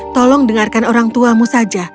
tolong dengarkan orang tuamu saja